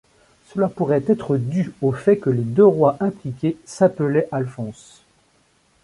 Cela pourrait être dû au fait que les deux rois impliqués s'appelaient Alphonse.